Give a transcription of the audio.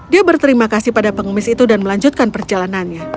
dia berterima kasih pada pengemis itu dan melanjutkan perjalanannya